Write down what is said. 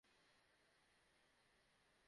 আপনারা ওমর ফারুককে ছাড়বেন না।